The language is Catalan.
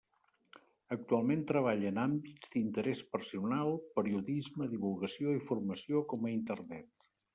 Actualment, treballa en àmbits d'interès personal, periodisme, divulgació i formació com a internet.